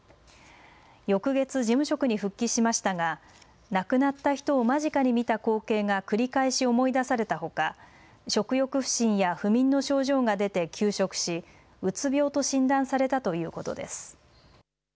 翌月、事務職に復帰しましたが亡くなった人を間近に見た光景が繰り返し思い出されたほか食欲不振や不眠の症状が出て休職し、うつ病と診断されたということです。